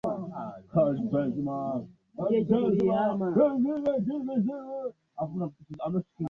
kwa kuwa yeye ameshajitambua amekosea madaraka aliokuwa amepewa